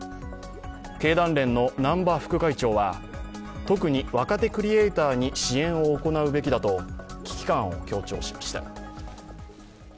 経団連の南場副会長は、特に若手クリエイターに支援を行うべきだと危機感を強調しました。